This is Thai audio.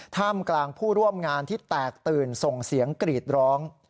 ท่ามกลางผู้ร่วมงานที่แตกตื่นส่งเสียงกรีดร้อง